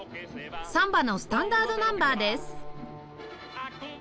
サンバのスタンダードナンバーです